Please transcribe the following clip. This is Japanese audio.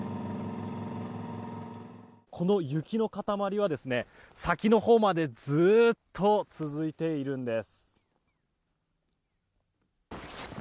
この雪の塊は先のほうまでずっと続いているんです。